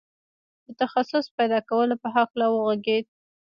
د تخصص پيدا کولو په هکله وغږېد.